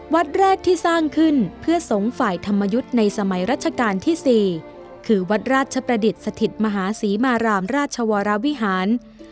วัดแรกที่สร้างขึ้นเพื่อสงฆ์ฝ่ายธรรมยุทธ์ในสมัยรัชกาลที่๔คือวัดราชประดิษฐ์สถิตมหาศรีมารามราชวรวิหาร